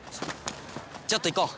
ちょっと行こう！